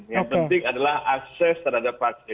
yang penting adalah akses terhadap vaksin